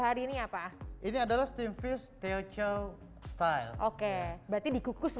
hari ini apa ini adalah steam fish teochew style oke jadi ini adalah steam fish teochew style